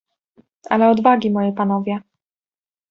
"Ale odwagi, moi panowie!"